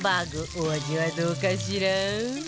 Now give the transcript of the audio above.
お味はどうかしら？